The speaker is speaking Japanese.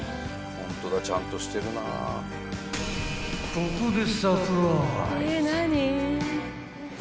［ここで］